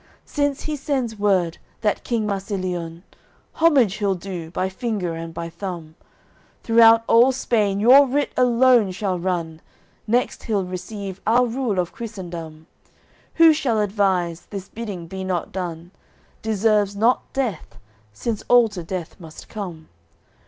Since he sends word, that King Marsiliun, Homage he'll do, by finger and by thumb; Throughout all Spain your writ alone shall run Next he'll receive our rule of Christendom Who shall advise, this bidding be not done, Deserves not death, since all to death must come.